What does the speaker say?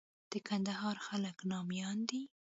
د کندهار خلک ناميان دي.